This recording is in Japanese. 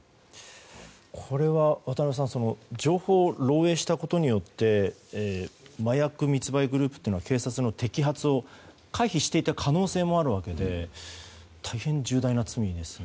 これは、渡辺さん情報漏洩したことによって麻薬密売グループというのは警察の摘発を回避していた可能性もあるわけで大変、重大な罪ですね。